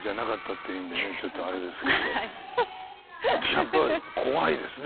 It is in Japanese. やっぱ怖いですね